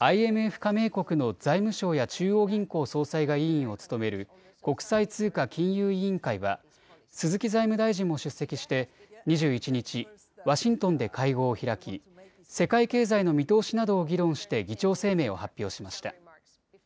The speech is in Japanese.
ＩＭＦ加盟国の財務相や中央銀行総裁が委員を務める国際通貨金融委員会は鈴木財務大臣も出席して２１日、ワシントンで会合を開き世界経済の見通しなどを議論して議長声明を発表しました。